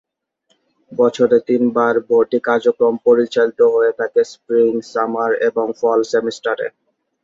বছরে তিনবার ভর্তি কার্যক্রম পরিচালিত হয়ে থাকে স্প্রিং, সামার এবং ফল সেমিস্টারে।